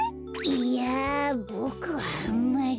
いやボクはあんまり。